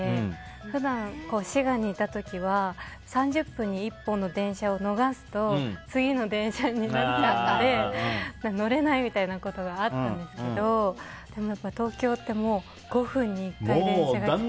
普段、滋賀にいた時は３０分に１本の電車を逃すと次の電車になっちゃうので乗れないみたいなことがあったんですけどでも、東京って５分に１回電車が来たりとか。